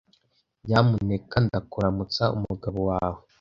Nyamuneka ndakuramutsa umugabo wawe.